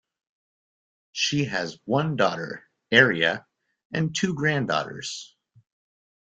She has one daughter, Area, and two granddaughters.